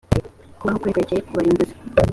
kubaho kwe kwerekeye ku barimbuzi